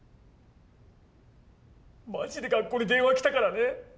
マジで学校に電話きたからね。